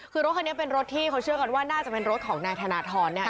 คือรถคันนี้เป็นรถที่เขาเชื่อกันว่าน่าจะเป็นรถของนายธนทร